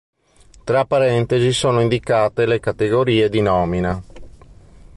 Tra parentesi sono indicate le categorie di nomina.